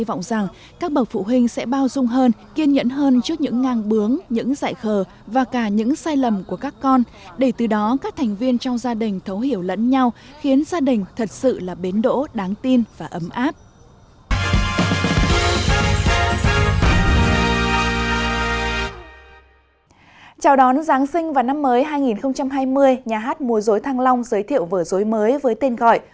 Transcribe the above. vào năm giáng sinh và năm mới hai nghìn hai mươi nhà hát mùa dối thăng long giới thiệu vở dối mới với tên gọi